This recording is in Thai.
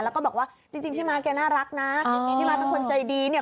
แล้วก็บอกว่าจริงพี่ม้าแกน่ารักนะพี่ม้าเป็นคนใจดีเนี่ย